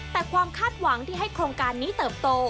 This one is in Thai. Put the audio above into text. แต่ความคาดหวังที่ให้โครงการนี้เติบโต